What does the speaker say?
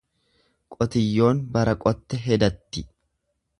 Qotiyyoon bara qotte hedatti.